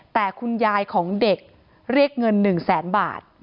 แต่คุณยายของเด็กเรียกเงิน๑แสนบาท